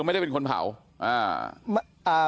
อ่ามั่นใจเลยบระยะจูตบ้าครับ